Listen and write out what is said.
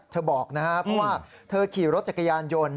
เธอบอกว่าเธอขี่รถจักรยานยนต์